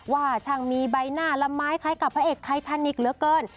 ว่าช่างมีใบหน้าละไม้คล้ายกับพระเอกไททานิกเหลือเกิน